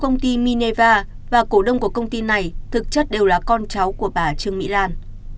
công ty mineva và cổ đông của công ty này thực chất đều là con cháu của bà trương mỹ lan